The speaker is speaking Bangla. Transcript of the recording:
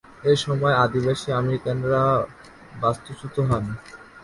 এসময় আদিবাসী আমেরিকানরা বাস্তুচ্যুত হন।